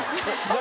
何？